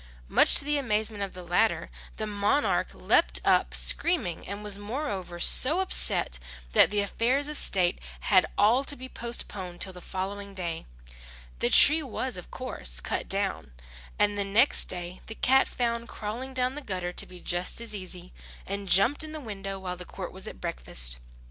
Much to the amazement of the latter, the monarch leapt up screaming, and was moreover so upset, that the affairs of state had all to be postponed till the following day. The tree was, of course, cut down; and the next day the cat found crawling down the gutter to be just as easy, and jumped in the window while the court was at breakfast.